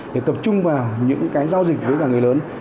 để tập trung vào những cái giao dịch với cả người lớn